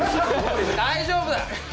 大丈夫だ。